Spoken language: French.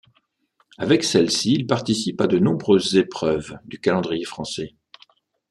Avec celle-ci, il participe à de nombreuses épreuves du calendrier français.